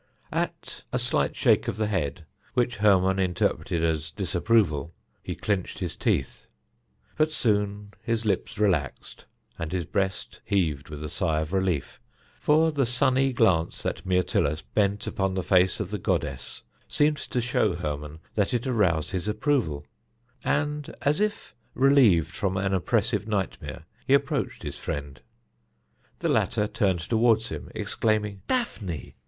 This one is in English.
At a slight shake of the head, which Hermon interpreted as disapproval, he clinched his teeth; but soon his lips relaxed and his breast heaved with a sigh of relief, for the sunny glance that Myrtilus bent upon the face of the goddess seemed to show Hermon that it aroused his approval, and, as if relieved from an oppressive nightmare, he approached his friend. The latter turned toward him, exclaiming: "Daphne!